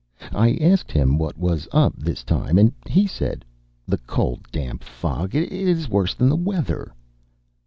I asked him what was up this time, and he said, "The cold, damp fog it is worse than the weather."